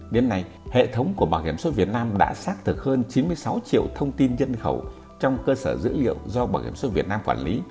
đến nay hệ thống của bảo hiểm xuất việt nam đã xác thực hơn chín mươi sáu triệu thông tin nhân khẩu trong cơ sở dữ liệu do bảo hiểm xuất việt nam quản lý